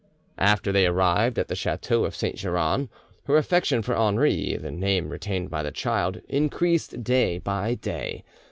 After they arrived at the chateau of Saint Geran, her affection for Henri, the name retained by the child, increased day by day.